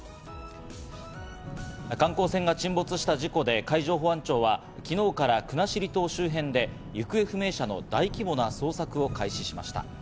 観光船が沈没した事故で海上保安庁は昨日から国後島周辺で行方不明者の大規模な捜索を開始しました。